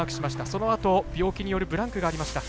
そのあと、病気によるブランクがありました。